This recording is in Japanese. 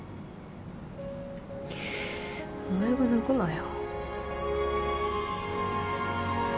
お前が泣くなよ。